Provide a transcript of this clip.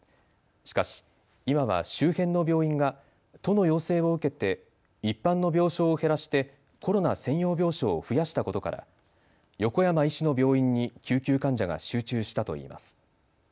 しかし、今は周辺の病院が都の要請を受けて一般の病床を減らしてコロナ専用病床を増やしたことから横山医師の病院に救急患者が集中したといいます。